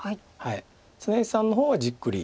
常石さんの方はじっくり。